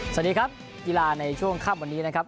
สวัสดีครับกีฬาในช่วงค่ำวันนี้นะครับ